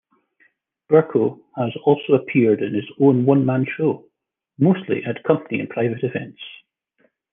Bircow has also appeared in his own one-man-show, mostly at company and private events.